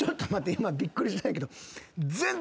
今びっくりしたんやけど。